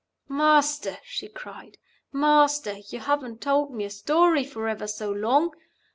"Master!" she cried. "Master! You haven't told me a story for ever so long.